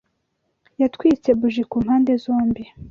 Yatwitse buji ku mpande zombi